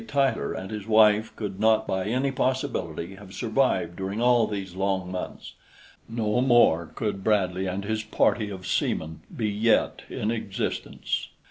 Tyler and his wife could not by any possibility have survived during all these long months; no more could Bradley and his party of seamen be yet in existence.